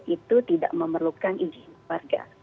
itu tidak memerlukan izin warga